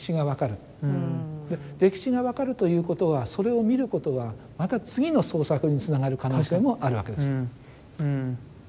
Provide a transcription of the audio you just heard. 歴史が分かるということはそれを見ることはまた次の創作につながる可能性もあるわけですね。